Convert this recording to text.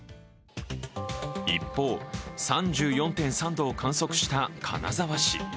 一方、３４．３度を観測した金沢市。